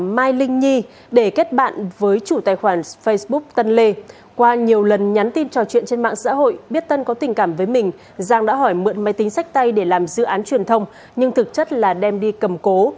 một lần nhắn tin trò chuyện trên mạng xã hội biết tân có tình cảm với mình giang đã hỏi mượn máy tính sách tay để làm dự án truyền thông nhưng thực chất là đem đi cầm cố